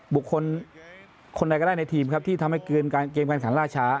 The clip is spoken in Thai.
บุคคลคนใดก็ได้ในทีมครับที่ทำให้เกมการขันล่าช้า